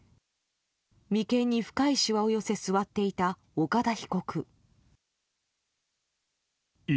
眉間に深いしわを寄せ座っていた岡田被告。